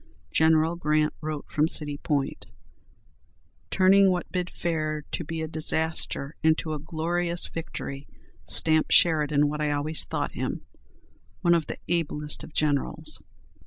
General Grant wrote from City Point, "Turning what bid fair to be a disaster into a glorious victory stamps Sheridan what I always thought him, one of the ablest of generals."